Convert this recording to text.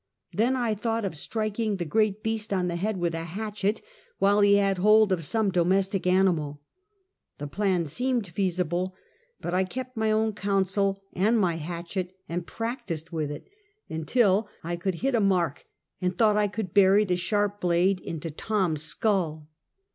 Then I thought of striking the great beast on the head with a hatchet, while he had hold of some domestic animal. The plan seemed feasible, but I kept my own council and my hatchet, and practiced with it until I could 7 98 Half a Centuet. hit a mark, and thought I could bury the sharp blade in Tom's skull.